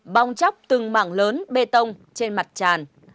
bong chóc từng mảng lớn bê tông trên mặt tràn